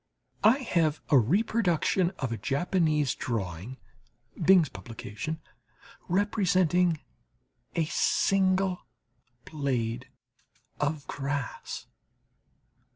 I have the reproduction of a Japanese drawing (Bing's publication) representing a single blade of grass.